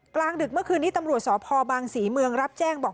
กลางดึกเมื่อคืนนี้ตำรวจสพบางศรีเมืองรับแจ้งบอก